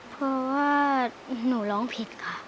เพราะว่าหนูร้องผิดค่ะ